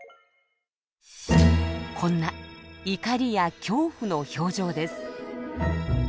こんな怒りや恐怖の表情です。